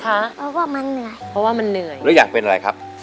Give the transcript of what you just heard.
เพราะว่ามันเหนื่อยเพราะว่ามันเหนื่อยแล้วอยากเป็นอะไรครับ